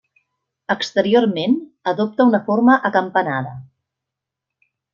Exteriorment adopta una forma acampanada.